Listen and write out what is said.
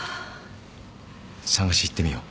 捜し行ってみよう。